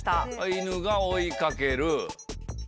犬が追い掛ける。